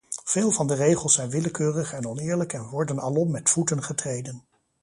Veel van de regels zijn willekeurig en oneerlijk en worden alom met voeten getreden.